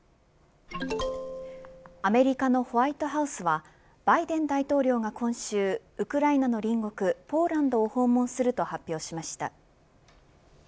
アメリカのホワイトハウスはバイデン大統領が今週ウクライナの隣国、ポーランドを訪問すると発表しました。